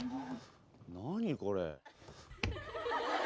何これ？」。